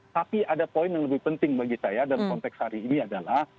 tapi ada poin yang lebih penting bagi saya dalam konteks hari ini adalah